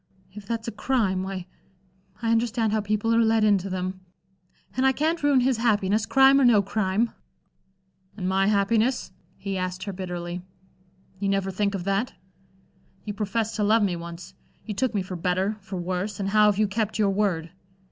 "If that's a crime, why I understand how people are led into them. And I can't ruin his happiness, crime or no crime." "And my happiness?" he asked her bitterly. "You never think of that? You professed to love me once. You took me for better, for worse, and how have you kept your word?